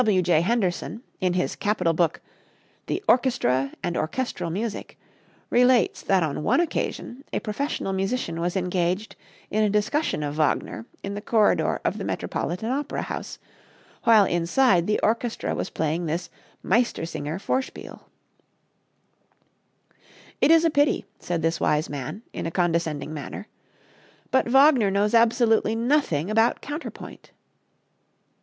W. J. Henderson, in his capital book, "The Orchestra and Orchestral Music," relates that on one occasion a professional musician was engaged in a discussion of Wagner in the corridor of the Metropolitan Opera House, while inside the orchestra was playing this "Meistersinger" Vorspiel. "It is a pity," said this wise man, in a condescending manner, "but Wagner knows absolutely nothing about counterpoint."